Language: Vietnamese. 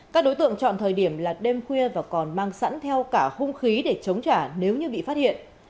các đối tượng chọn thời điểm là đêm khuya và còn mang sẵn theo cả hung khí để chống trả nếu như bị phát hiện